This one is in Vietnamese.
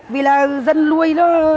vì là dân luôi